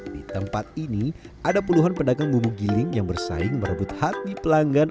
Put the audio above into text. di tempat ini ada puluhan pedagang bumbu giling yang bersaing merebut hati pelanggan